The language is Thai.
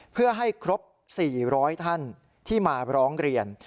เพื่อให้ครบ๔๐๐ท่านที่มาร้องเรียน